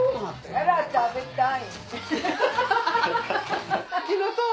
あら食べたい。